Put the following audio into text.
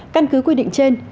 căn cứ quy định trên